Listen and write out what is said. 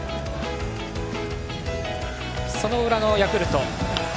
その裏のヤクルト。